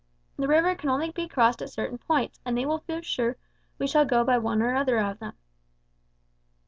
The river can only be crossed at certain points, and they will feel sure we shall go by one or other of them."